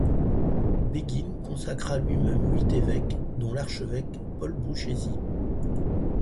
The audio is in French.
Bégin consacra lui-même huit évêques, dont l'archevêque Paul Bruchési.